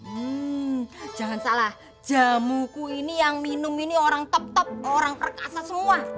hmm jangan salah jamuku ini yang minum ini orang top top orang perkasa semua